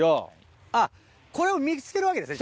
あっこれを見つけるわけですね